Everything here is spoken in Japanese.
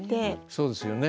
そうですよね